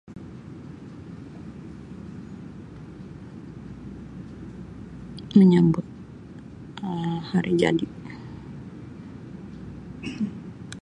Menyambut Um hari jadi.